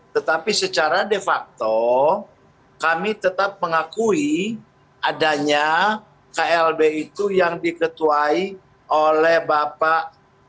tetapi secara de facto kami tetap mengakui adanya klb itu yang diketuai oleh bapak